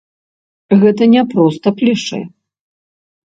Гэта не проста клішэ.